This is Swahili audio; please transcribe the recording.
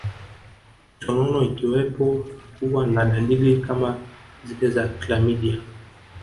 Kisonono ikiwepo huwa na dalili kama zile za klamidia